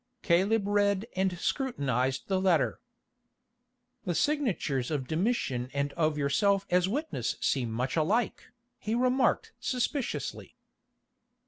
Caleb read and scrutinised the letter. "The signatures of Domitian and of yourself as witness seem much alike," he remarked suspiciously.